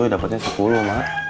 dapetnya sepuluh ma